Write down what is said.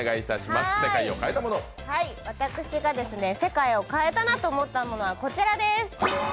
私が世界を変えたなと思ったものはこちらです。